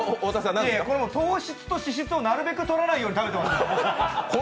糖質と脂質をなるべくとらないように食べてます！